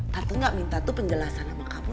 tapi gak minta tuh penjelasan sama kamu